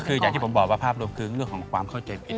คืออย่างที่ผมบอกว่าภาพรวมคือเรื่องของความเข้าใจผิด